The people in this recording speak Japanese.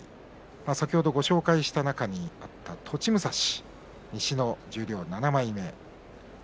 先ほどご紹介した中にあった栃武蔵西の十両７枚目。